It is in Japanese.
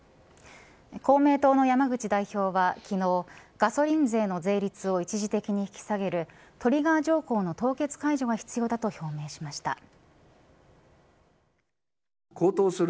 公明党の山口代表は昨日ガソリン税の税率を一時的に引き下げるトリガー条項の凍結解除が必要だと表明しました。